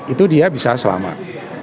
itu dia bisa selamat